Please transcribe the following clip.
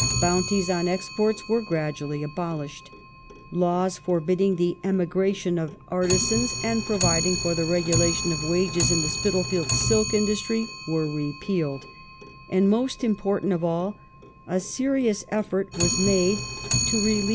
Bounties on exports were gradually abolished ; laws forbidding the emigration of artisans and providing for the regula tion of wages in the Spitalfields silk industry were repealed, and, most important of all, a serious effort was made to relieve the ^C